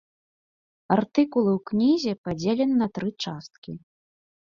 Артыкулы ў кнізе падзелены на тры часткі.